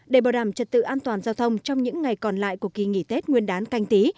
để bảo đảm trật tự an toàn giao thông trong những ngày còn lại của kỳ nghỉ tết nguyên đán canh tí